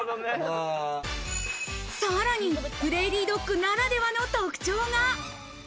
さらに、プレーリードッグならではの特徴が。